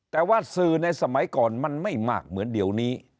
แต่ว่าสื่อในสมัยก่อนมันไม่มากเหมือนเดี๋ยวนี้